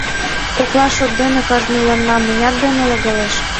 Кокла шот дене кажныланна... мыняр дене логалеш?